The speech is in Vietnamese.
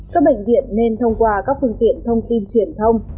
các bệnh viện nên thông qua các phương tiện thông tin truyền thông